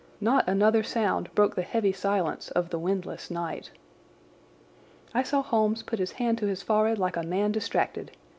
Not another sound broke the heavy silence of the windless night. I saw Holmes put his hand to his forehead like a man distracted.